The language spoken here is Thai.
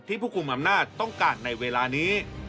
ผู้คุมอำนาจต้องการในเวลานี้